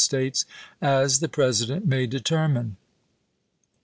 ^^' States as the President may determine."